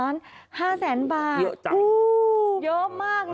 เยอะจัง